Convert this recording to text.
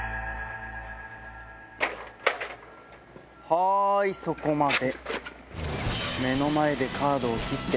はいそこまで。